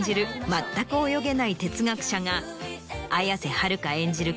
全く泳げない哲学者が綾瀬はるか演じる